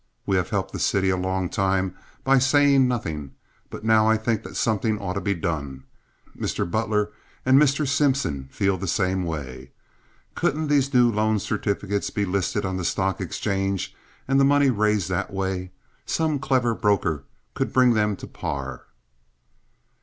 We have helped the city a long time by saying nothing; but now I think that something ought to be done. Mr. Butler and Mr. Simpson feel the same way. Couldn't these new loan certificates be listed on the stock exchange and the money raised that way? Some clever broker could bring them to par."